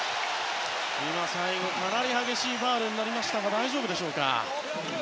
最後、かなり激しいファウルになりましたが大丈夫でしょうか。